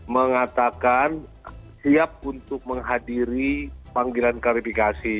mengatakan siap untuk menghadiri panggilan klarifikasi